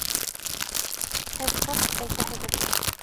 Һеҙ тост әйтәһегеҙме?